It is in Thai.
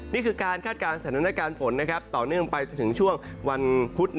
นี่คือการคาดการณ์สถานการณ์ฝนต่อเนื่องไปจนถึงช่วงวันพุธ